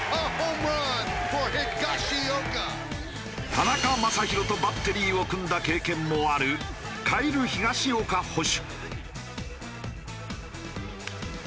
田中将大とバッテリーを組んだ経験もあるカイル・ヒガシオカ捕手。